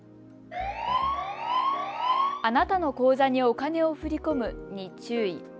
あなたの口座にお金を振り込むに注意。